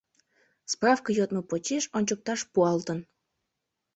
Справке йодмо почеш ончыкташ пуалтын».